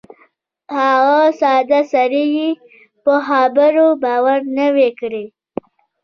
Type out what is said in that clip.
هغه ساده سړي یې په خبرو باور نه وای کړی.